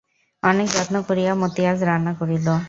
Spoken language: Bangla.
অনেক যত্ন করিয়া মতি আজ রান্না করিল।